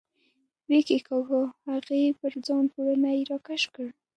ویې کېکاږه، هغې پر ځان باندې پوړنی را کش کړ.